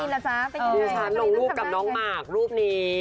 ดูฉันลงรูปด้วยน้องมากรูปนี้